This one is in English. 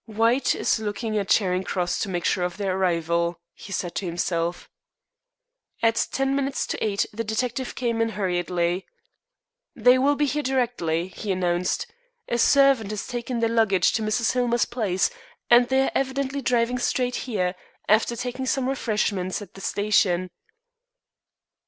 "White is looking at Charing Cross to make sure of their arrival," he said to himself. At ten minutes to eight the detective came in hurriedly. "They will be here directly," he announced. "A servant has taken their luggage to Mrs. Hillmer's place, and they are evidently driving straight here after taking some refreshment at the station."